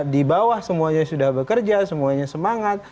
di bawah semuanya sudah bekerja semuanya semangat